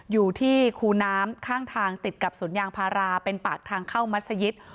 คูน้ำข้างทางติดกับสวนยางพาราเป็นปากทางเข้ามัศยิต